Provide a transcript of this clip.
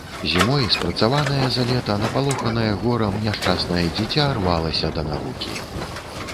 Зімой, спрацаванае за лета, напалоханае горам, няшчаснае дзіця рвалася да навукі.